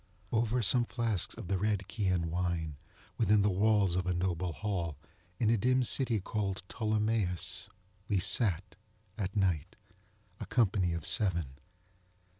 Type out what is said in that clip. Over some flasks of the red Chian wine, within the walls of a noble hall, in a dim city called Ptolemais, we sat, at night, a company of seven.